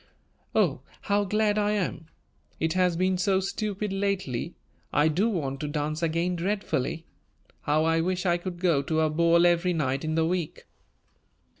"Oh, how glad I am! It has been so stupid lately. I do want to dance again dreadfully. How I wish I could go to a ball every night in the week!"